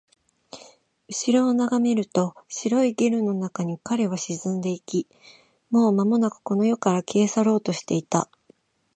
後ろを眺めると、白いゲルの中に彼は沈んでいき、もうまもなくこの世から消え去ろうとしていた